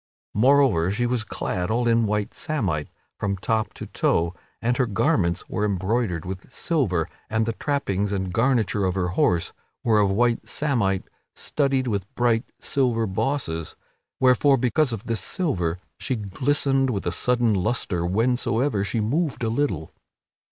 Moreover, she was clad all in white samite from top to toe and her garments were embroidered with silver; and the trappings and garniture of her horse were of white samite studded with bright silver bosses, wherefore, because of this silver, she glistered with a sudden lustre whensoever she moved a little.